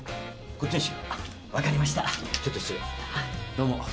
どうも。